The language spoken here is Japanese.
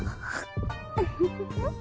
ウフフフ。